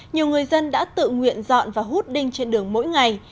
nhiều người dân đã tự nguyện dọn và hút đinh trên đường mỗi ngày